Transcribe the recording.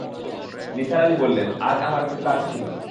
নিসার আলি বললেন, আজ আমার একটু কাজ ছিল।